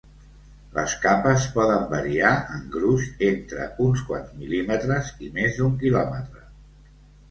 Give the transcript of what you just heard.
Les capes poden variar en gruix entre uns quants mil·límetres i més d'un quilòmetre.